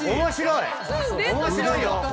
面白いよ。